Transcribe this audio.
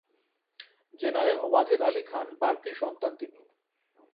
General Wajed Ali Khan বার্কি’র সন্তান তিনি।